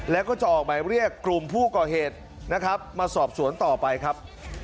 แล้วก็จะออกหมายเรียกกลุ่มผู้ก่อเหตุนะครับมาสอบสวนต่อไปครับ